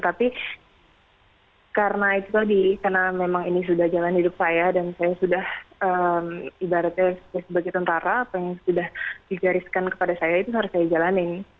tapi karena itu tadi karena memang ini sudah jalan hidup saya dan saya sudah ibaratnya sebagai tentara apa yang sudah digariskan kepada saya itu harus saya jalanin